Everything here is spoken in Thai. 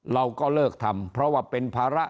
เราก็เลิกทำเพราะว่าเป็นภาระ